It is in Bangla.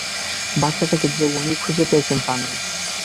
বাচ্চাটাকে যে উনি খুঁজে পেয়েছেন তা নয়।